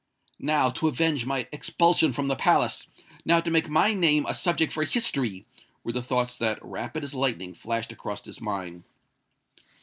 "Now to avenge my expulsion from the palace!—now to make my name a subject for history!" were the thoughts that, rapid as lightning, flashed across his mind.